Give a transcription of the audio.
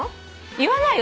言わないよ。